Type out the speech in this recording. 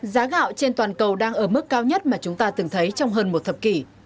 giá gạo trên toàn cầu đang ở mức cao nhất mà chúng ta từng thấy trong hơn một thập kỷ